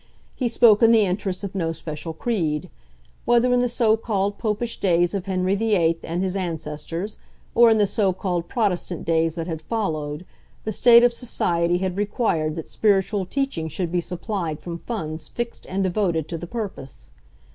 He spoke in the interests of no special creed. Whether in the so called Popish days of Henry VIII and his ancestors, or in the so called Protestant days that had followed, the state of society had required that spiritual teaching should be supplied from funds fixed and devoted to the purpose.